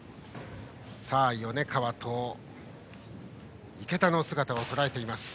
米川と池田の姿をとらえました。